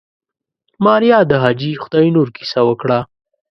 ماريا د حاجي خداينور کيسه وکړه.